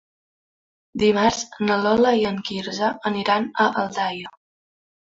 Dimarts na Lola i en Quirze aniran a Aldaia.